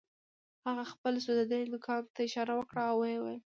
هغه خپل سوځېدلي دوکان ته اشاره وکړه او ويې ويل.